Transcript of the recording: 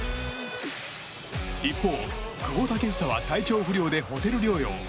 一方、久保建英は体調不良でホテル療養。